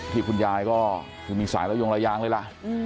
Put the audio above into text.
ที่คุณยายก็คือมีสายระยงระยางเลยล่ะ